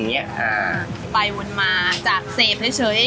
ไปวนมาจากเสพเฉย